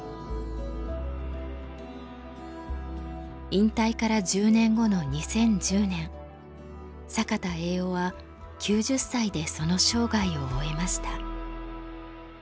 引退から１０年後の２０１０年坂田栄男は９０歳でその生涯を終えました。